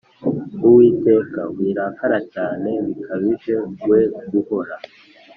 Uwiteka wirakara cyane bikabije we guhora